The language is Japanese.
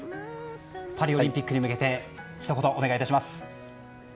パリオリンピックに向けてひと言、お願いします。